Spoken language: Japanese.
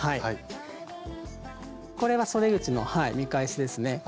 これはそで口の見返しですね。